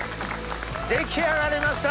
出来上がりました。